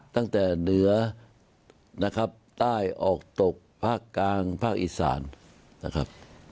ตั้งแต่เหนือใต้ออกตกภาคกลางภาคอิสราญนะครับ